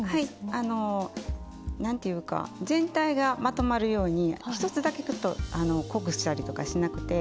あのなんていうか全体がまとまるように一つだけちょっと濃くしたりとかしなくて。